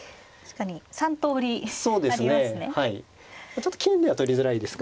ちょっと金では取りづらいですかね。